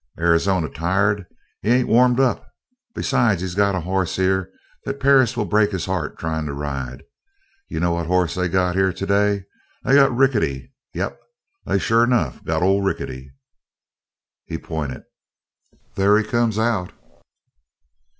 "Arizona tired? He ain't warmed up. Besides, he's got a hoss here that Perris will break his heart trying to ride. You know what hoss they got here today? They got Rickety! Yep, they sure enough got old Rickety!" He pointed. "There he comes out!"